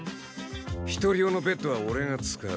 １人用のベッドは俺が使う。